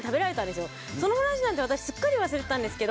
その話なんて私すっかり忘れてたんですけど。